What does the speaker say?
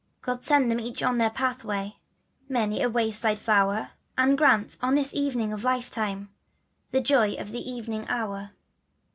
God send them each on their pathway Many a wayside flower; And grant, in the evening of lifetime, The joy of the evening hour.